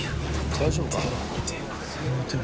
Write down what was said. ・大丈夫かな